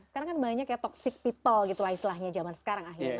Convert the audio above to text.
sekarang kan banyak ya toxic people gitu lah istilahnya zaman sekarang akhirnya